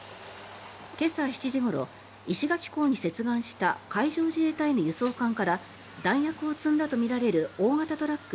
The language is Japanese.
今朝７時ごろ、石垣港に接岸した海上自衛隊の輸送艦から弾薬を積んだとみられる大型トラック